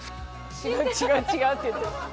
「違う違う違う」って言ってる。